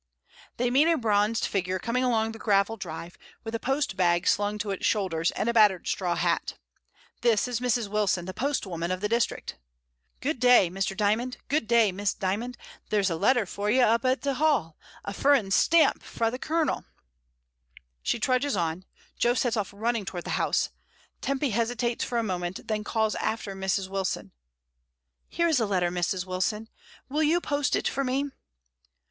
They meet a bronzed figure coming along the gravel drive, with a post bag slung to its shoulders, and a battered straw hat This is Mrs. Wilson, the postwoman of the district "Good day, Mr. Dymond! good day. Miss Dy mond! there's a letter for ye up at t' Hall: a furren stamp letter fra the Cornel." She trudges on , Jo sets off* running towards the house, Tempy hesitates for a moment, and then calls after Mrs. Wilson — "Here is a letter, Mrs. Wilson; will you post it for me?"